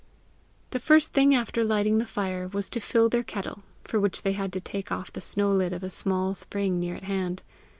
The first thing after lighting the fire, was to fill their kettle, for which they had to take off the snow lid of a small spring near at hand.